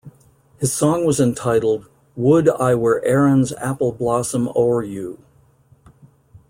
His song was entitled "Would I Were Erin's Apple Blossom o'er You".